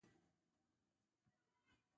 که لاړ شم.